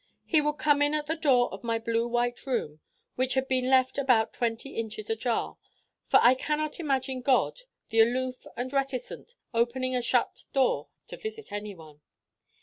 He would come in at the door of my blue white room which had been left about twenty inches ajar: for I cannot imagine God, the aloof and reticent, opening a shut door to visit anyone.